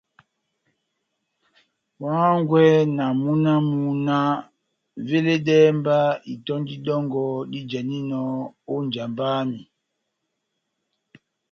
Wa hángwɛ na múna wamu náh :« veledɛhɛ mba itɔ́ndi dɔngɔ dijaninɔ ó njamba yami »